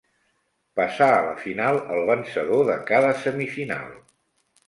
Passa a la final el vencedor de cada semifinal.